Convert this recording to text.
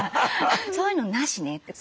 「そういうのなしね」って。